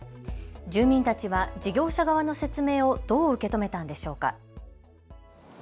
住民たちは事業者側の説明をどう受け止めたんでしょうか。